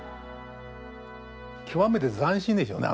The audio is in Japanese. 極めて斬新でしょうね。